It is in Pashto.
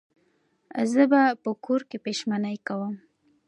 زه به په کور کې پیشمني کوم